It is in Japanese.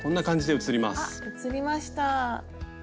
あっ写りました。